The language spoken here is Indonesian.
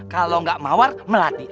kalau gak mawar melati